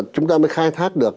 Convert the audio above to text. chúng ta mới khai thác được